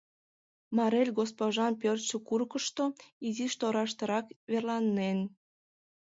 Марель госпожан пӧртшӧ курыкышто, изиш тораштырак верланен.